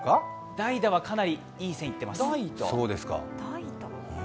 代打はかなりいい線いってます。